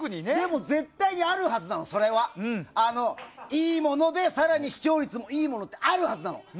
でも、絶対にあるはずなの、それは！いいものでさらに視聴率もいいものって、あるはずなの。